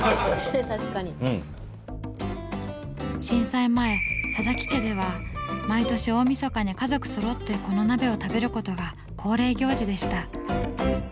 震災前佐々木家では毎年大晦日に家族そろってこの鍋を食べることが恒例行事でした。